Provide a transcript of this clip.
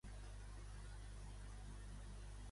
D'on eren les dues girafes que va dur Zheng He a Pequín?